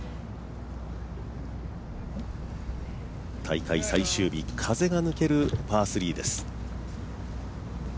大会最終日、風が抜けるパー３です。